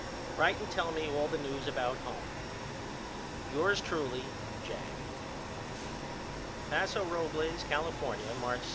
Write and tell me all the news about home. Yours truly, JACK. Paso Robles, California, March 7.